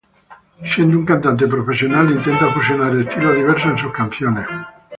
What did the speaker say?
Siendo un cantante profesional, intenta fusionar estilos diversos en sus canciones.